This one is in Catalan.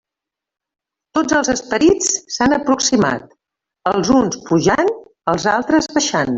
Tots els esperits s'han aproximat; els uns pujant, els altres baixant.